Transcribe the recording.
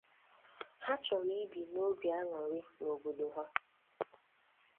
Ha chọrọ ibi n’obi aǹụrị n’obodo ha